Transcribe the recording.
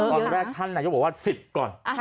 วันแรกท่านก็บอกว่า๑๐ก่อน